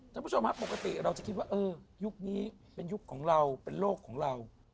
ท่านผู้ชมครับปกติเราจะคิดว่าเออยุคนี้เป็นยุคของเราเป็นโลกของเรา